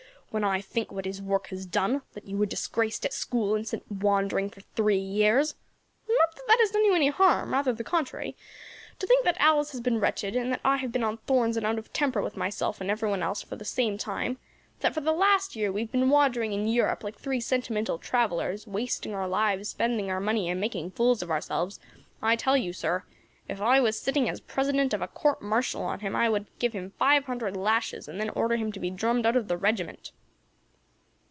When I think what his work has done, that you were disgraced at school, and sent wandering for three years not that that has done you any harm, rather the contrary to think that Alice has been wretched, and I have been on thorns and out of temper with myself and every one else for the same time, that for the last year we have been wandering about Europe like three sentimental travellers, wasting our lives, spending our money, and making fools of ourselves, I tell you, sir, if I was sitting as president of a court martial on him, I would give him five hundred lashes, and then order him to be drummed out of the regiment."